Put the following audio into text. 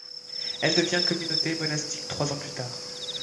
Elle devient communauté monastique trois ans plus tard.